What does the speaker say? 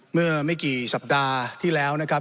เมื่อไม่กี่สัปดาห์ที่แล้วนะครับ